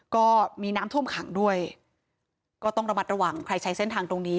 ก็มีน้ำท่วมขังด้วยก็ต้องระมัดระวังใครใช้เส้นทางตรงนี้